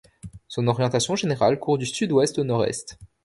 Son orientation générale court du sud-ouest au nord-est.